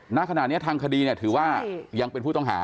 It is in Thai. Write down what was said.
หน้าขณะนี้ทางคดีถือว่ายังเป็นผู้ต้องหา